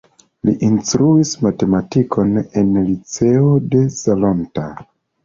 Li instruis matematikon en liceo de Salonta.